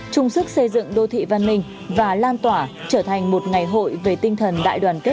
trung sức xây dựng đô thị văn minh và lan tỏa trở thành một ngày hội về tinh thần đại đoàn kết